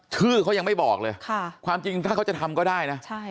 ชื่อเขายังไม่บอกเลยความจริงถ้าเขาจะทำก็ได้นะ